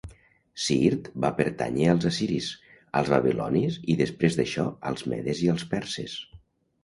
Siirt va pertànyer als assiris, als babilonis i després d'això als medes i els perses.